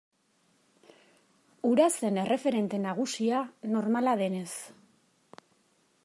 Hura zen erreferente nagusia, normala denez.